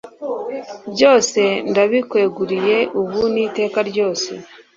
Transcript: byose ndabikweguriye ubu n'iteka ryose